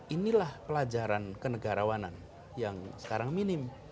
inilah pelajaran kenegarawanan yang sekarang minim